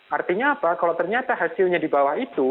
artinya apa kalau ternyata hasilnya di bawah itu